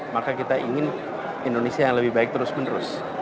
maka kita ingin indonesia yang lebih baik terus menerus